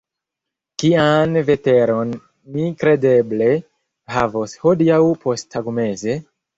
Kian veteron ni kredeble havos hodiaŭ posttagmeze?